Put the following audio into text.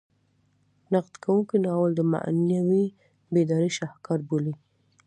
نقد کوونکي ناول د معنوي بیدارۍ شاهکار بولي.